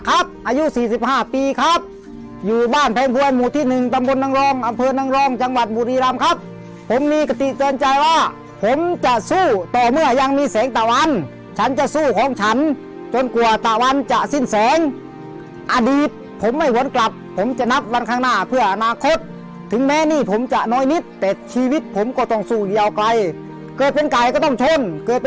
อายุสี่สิบห้าปีครับอยู่บ้านแพงบัวหมู่ที่หนึ่งตำบลนางรองอำเภอนางรองจังหวัดบุรีรำครับผมมีกติเตือนใจว่าผมจะสู้ต่อเมื่อยังมีแสงตะวันฉันจะสู้ของฉันจนกว่าตะวันจะสิ้นแสงอดีตผมไม่วนกลับผมจะนับวันข้างหน้าเพื่ออนาคตถึงแม้หนี้ผมจะน้อยนิดแต่ชีวิตผมก็ต้องสู้ยาวไกลเกิดเป็นไก่ก็ต้องชนเกิด